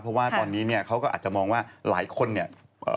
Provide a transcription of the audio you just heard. เพราะว่าตอนนี้เขาก็อาจจะมองว่าหลายคนฮะ